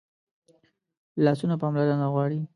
لاسونه پاملرنه غواړي